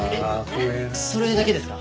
それだけですか？